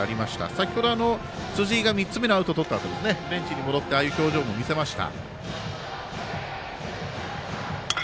先ほど、辻井が３つ目のアウトとったあとベンチに戻ってああいう表情も見せました。